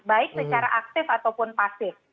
baik secara aktif ataupun pasif